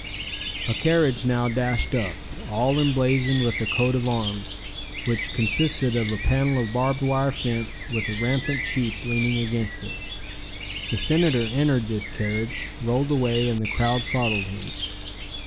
A carriage now dashed up, all emblazoned with a coat of arms, which consisted of a panel of barbed wire fence with a rampant sheep leaning against it. The Senator entered this carriage, rolled away and the crowd followed him.